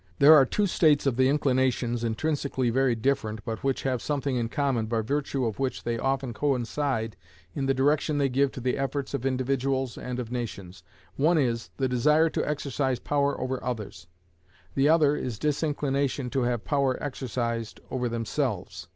There are two states of the inclinations, intrinsically very different, but which have something in common, by virtue of which they often coincide in the direction they give to the efforts of individuals and of nations; one is, the desire to exercise power over others; the other is disinclination to have power exercised over themselves.